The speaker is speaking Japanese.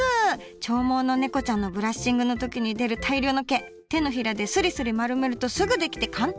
長毛のねこちゃんのブラッシングの時に出る大量の毛手のひらでスリスリ丸めるとすぐ出来て簡単！